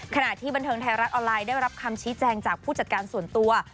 ขณะที่บันเทิงไทยรัฐออนไลน์ได้รับคำชี้แจงจากผู้จัดการส่วนตัว